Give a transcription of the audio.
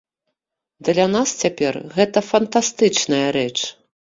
Для нас цяпер гэта фантастычная рэч.